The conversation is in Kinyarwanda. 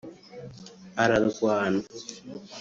ararwana